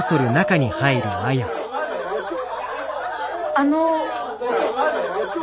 あの。